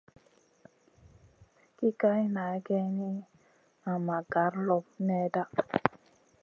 Ki kaï na geyni, nan ma gar loɓ nèhda.